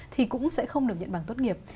thì cũng sẽ không được nhận bằng tốt nghiệp